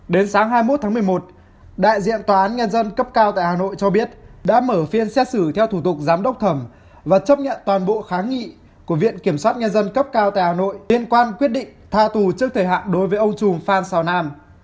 đại diện tòa án nhân dân cấp cao tại hà nội cho biết đã mở phiên xét xử theo thủ tục giám đốc thẩm và chấp nhận toàn bộ kháng nghị của viện kiểm soát nhân dân cấp cao tại hà nội liên quan quyết định tha tù trước thời hạn đối với ông trùng phan xào nam